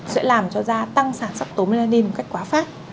sẽ làm cho da tăng sản sắc tố melanin một cách quá phát